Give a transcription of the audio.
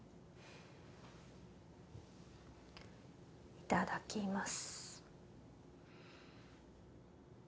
いただきます